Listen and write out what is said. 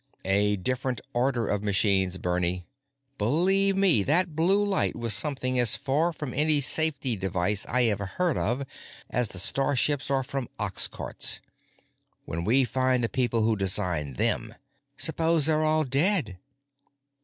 "A different order of machines, Bernie! Believe me, that blue light was something as far from any safety device I ever heard of as the starships are from oxcarts. When we find the people who designed them——" "Suppose they're all dead?"